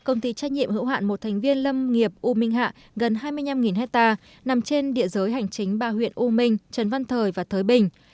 công ty trách nhiệm hữu hạn một thành viên lâm nghiệp u minh hạ gần hai mươi năm hectare nằm trên địa giới hành chính ba huyện u minh trần văn thời và thới bình